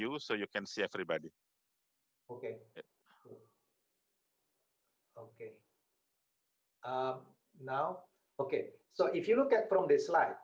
apakah mereka menghabiskan uang atau tidak